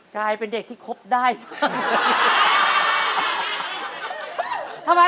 กลายเป็นเด็กที่คบได้